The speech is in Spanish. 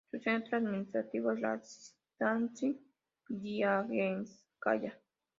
Su centro administrativo es la "stanitsa" Guiaguínskaya.